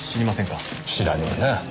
知らねえな。